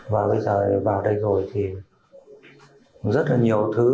và bây giờ vào đây rồi thì rất là nhiều thứ